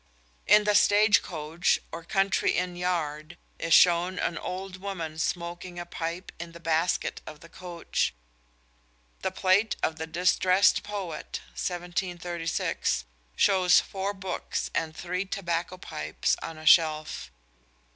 In The Stage Coach, or Country Inn yard, is shown an old woman smoking a pipe in the "basket" of the coach. The plate of The Distrest Poet (1736) shows four books and three tobacco pipes on a shelf.